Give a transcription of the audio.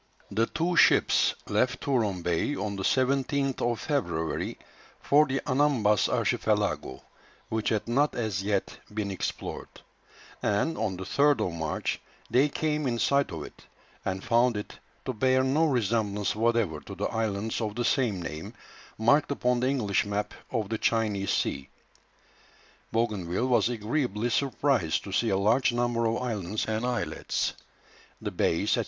The two ships left Touron Bay on the 17th February for the Anambas Archipelago, which had not as yet been explored; and, on the 3rd of March, they came in sight of it, and found it to bear no resemblance whatever to the islands of the same name, marked upon the English map of the China Sea. Bougainville was agreeably surprised to see a large number of islands and islets, the bays, &c.